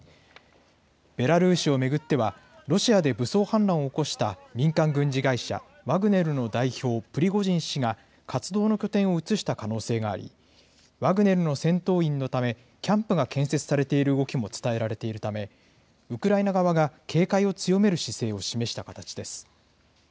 ベラルーシを巡っては、ロシアで武装反乱を起こした民間軍事会社、ワグネルの代表、プリゴジン氏が、活動の拠点を移した可能性があり、ワグネルの戦闘員のため、キャンプが建設されている動きも伝えられているため、ウクライナ側が警戒を強める姿勢を示した形です。